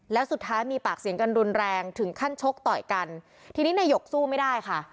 แล้วสุดท้ายมีปากเสียงกันรุนแรงถึงขั้นชกต่อยกันทีนี้นายกสู้ไม่ได้ค่ะ